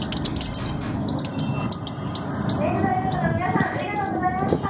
明治大学の皆さんありがとうございました！